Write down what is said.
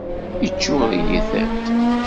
Iččuṛ-iyi tiṭ.